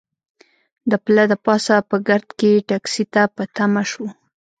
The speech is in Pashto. د پله د پاسه په ګرد کې ټکسي ته په تمه شوو.